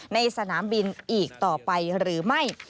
สนามบินอีกต่อไปหรือไม่